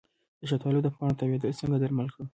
د شفتالو د پاڼو تاویدل څنګه درمل کړم؟